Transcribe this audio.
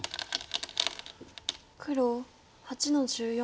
黒８の十四。